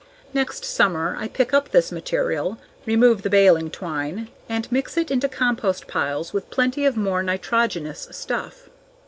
Next summer I pick up this material, remove the baling twine, and mix it into compost piles with plenty of more nitrogenous stuff.